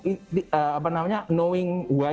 mengenai mengapa anda melakukannya